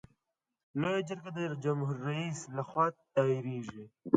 لویه جرګه د جمهور رئیس له خوا دایریږي.